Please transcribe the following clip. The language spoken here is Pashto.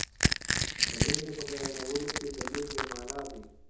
د مینې په بیانولو کې دلیل بې معنا دی.